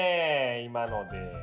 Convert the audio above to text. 今ので。